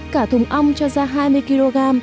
cả thùng ong cho ra hai mươi kg